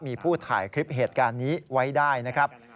มีผู้ถ่ายคลิปเหตุการณ์นี้ไว้ได้นะครับ